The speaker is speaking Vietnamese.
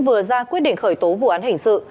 vừa ra quyết định khởi tố vụ án hình sự